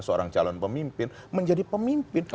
seorang calon pemimpin menjadi pemimpin